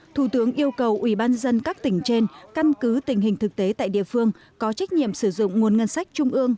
thủ tướng yêu cầu ubnd các tỉnh trên căn cứ tình hình thực tế tại địa phương có trách nhiệm sử dụng nguồn ngân sách trung ương